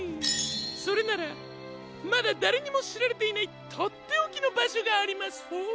それならまだだれにもしられていないとっておきのばしょがありますホォー。